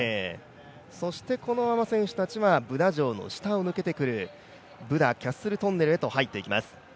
そして、このまま選手たちはブダ城の下を抜けてくる、ブダ・キャッスル・トンネルへと入っていきます。